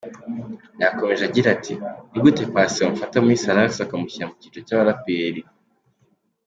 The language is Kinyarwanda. Yakomeje agira ati, Ni gute Paccy bamufata muri Salax bakamushyira mu cyiciro cyabaraperi.